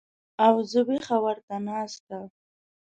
او زه وېښه ورته ناسته